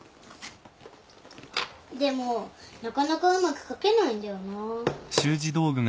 でもなかなかうまく書けないんだよなぁ。